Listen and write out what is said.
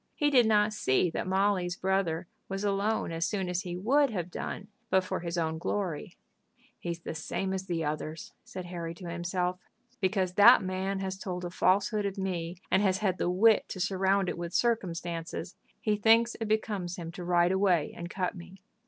He did not see that Molly's brother was alone as soon as he would have done but for his own glory. "He is the same as the others," said Harry to himself. "Because that man has told a falsehood of me, and has had the wit to surround it with circumstances, he thinks it becomes him to ride away and cut me."